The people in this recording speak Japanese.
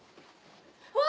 うわ！